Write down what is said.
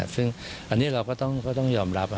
ซึ่งอันนี้เราก็ต้องยอมรับ